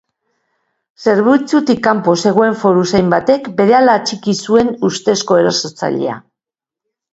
Zerbitzutik kanpo zegoen foruzain batek berehala atxiki zuen ustezko erasotzailea.